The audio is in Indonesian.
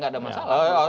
gak ada masalah